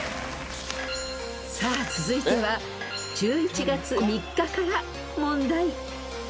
［さあ続いては１１月３日から問題］